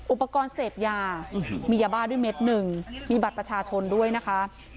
อุปกรณ์เสพยามียาบ้าด้วยเม็ดหนึ่งมีบัตรประชาชนด้วยนะคะ